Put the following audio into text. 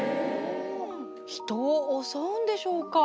人をおそうんでしょうか？